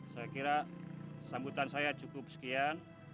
saya kira sambutan saya cukup sekian